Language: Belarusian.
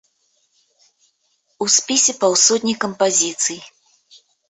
У спісе паўсотні кампазіцый.